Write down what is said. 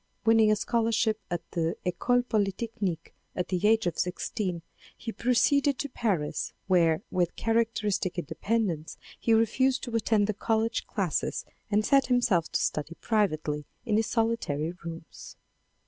Winning a scholarship at the Ecole Polytechnique at the age of sixteen he pro ceeded to Paris, where with characteristic independence he refused to attend the college classes and set himself to study privately in his solitary rooms.